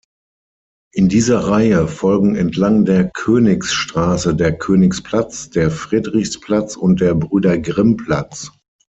In dieser Reihe folgen entlang der Königsstraße der Königsplatz, der Friedrichsplatz und der Brüder-Grimm-Platz.